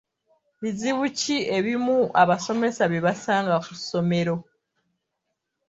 Bizibu ki ebimu abasomesa bye basanga ku ssomero?